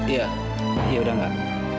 ya ya udah enggak